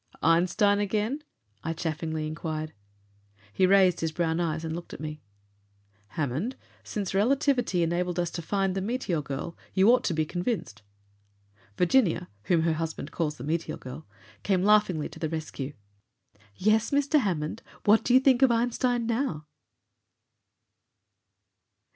"Einstein again?" I chaffingly inquired. He raised his brown eyes and looked at me. "Hammond, since relativity enabled us to find the Meteor Girl, you ought to be convinced!" Virginia whom her husband calls the Meteor Girl came laughingly to the rescue. "Yes, Mr. Hammond, what do you think of Einstein now?"